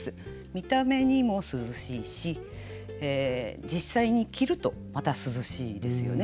見た目にも涼しいし実際に着るとまた涼しいですよね。